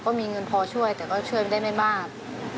ก็มีเงินพอช่วยแต่ก็ช่วยได้ไม่มาก